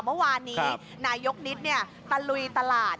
เมื่อวานนี้นายกนิดตะลุยตลาด